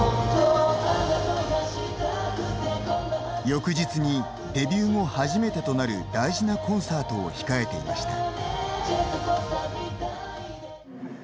翌日に、デビュー後初めてとなる大事なコンサートを控えていました。